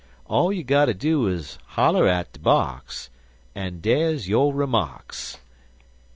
All you gotter do is ter holler at de box, an' dar's yo' remarks.